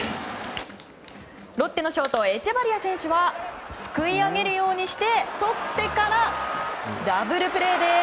ロッテのショートエチェバリア選手はすくい上げるようにしてとってからダブルプレーです。